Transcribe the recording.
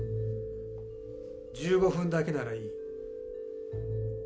１５分だけならいい。